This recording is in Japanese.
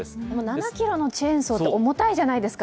７ｋｇのチェーンソーって重たいじゃないですか。